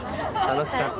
楽しかった。